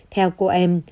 theo cô em